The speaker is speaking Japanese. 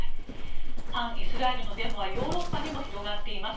反イスラエルのデモはヨーロッパにも広がっています。